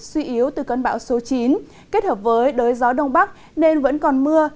suy yếu từ cơn bão số chín kết hợp với đới gió đông bắc nên vẫn còn mưa